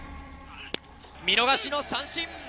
見逃し三振！